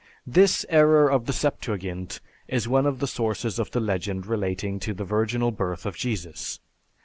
This error of the Septuagint is one of the sources of the legend relating to the virginal birth of Jesus.